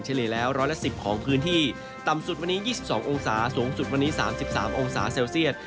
เลียแล้วร้อยละ๑๐ของพื้นที่ต่ำสุดวันนี้๒๒องศาสูงสุดวันนี้๓๓องศาเซลเซียต